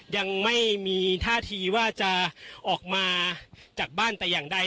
ยังไม่มีท่าทีว่าจะออกมาจากบ้านแต่อย่างใด